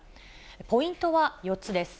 ポイントは４つです。